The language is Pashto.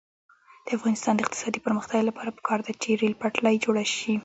د افغانستان د اقتصادي پرمختګ لپاره پکار ده چې ریل پټلۍ جوړه شي.